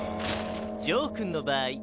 ジョーくんの場合。